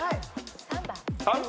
３番。